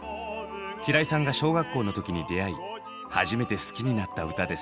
平井さんが小学校の時に出会い初めて好きになった歌です。